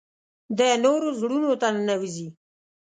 د نورو زړونو ته ننوځي .